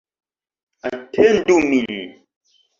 Atendu min!